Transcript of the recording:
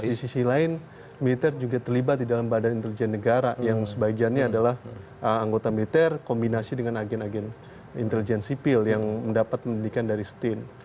di sisi lain militer juga terlibat di dalam badan intelijen negara yang sebagiannya adalah anggota militer kombinasi dengan agen agen intelijen sipil yang mendapat pendidikan dari stin